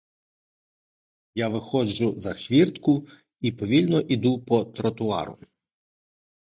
Я виходжу за хвіртку і повільно іду по тротуару.